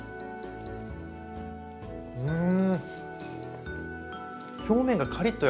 うん。